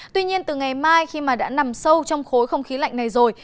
tuy nhiên từ ngày mai khi mà đã nằm sâu trong khối không khí lạnh này rồi